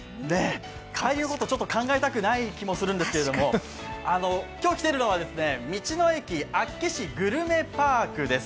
帰りのことちょっと考えたくない気もするんですけど、今日来ているのは道の駅厚岸グルメパークです